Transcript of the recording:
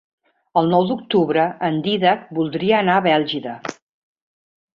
El nou d'octubre en Dídac voldria anar a Bèlgida.